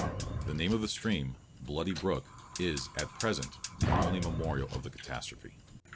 The name of the stream, Bloody Brook, is, at present, the only memorial of the catastrophe.